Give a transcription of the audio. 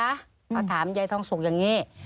เขาถามยายทองสุกอย่างนี้